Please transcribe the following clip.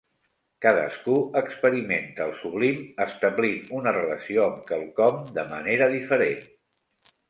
Cadascú experimenta el sublim establint una relació amb quelcom, de manera diferent.